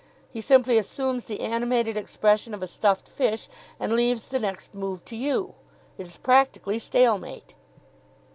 He simply assumes the animated expression of a stuffed fish, and leaves the next move to you. It is practically Stalemate.